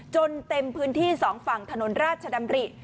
เต็มพื้นที่สองฝั่งถนนราชดำริ